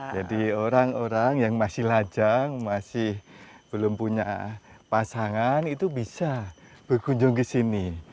jadi orang orang yang masih lajang masih belum punya pasangan itu bisa berkunjung ke sini